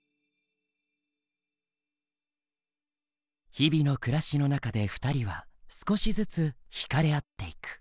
日々の暮らしの中で２人は少しずつ惹かれ合っていく。